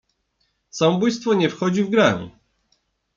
"Samobójstwo nie wchodzi w grę."